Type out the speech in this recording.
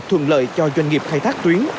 thuận lợi cho doanh nghiệp khai thác tuyến